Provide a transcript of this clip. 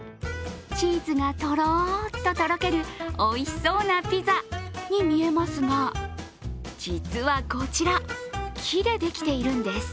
チーズがとろっととろけるおいしそうなピザに見えますが実はこちら、木でできているんです。